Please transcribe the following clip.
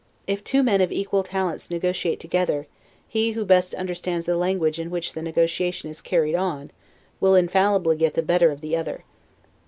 If two men of equal talents negotiate together, he who best understands the language in which the negotiation is carried on, will infallibly get the better of the other.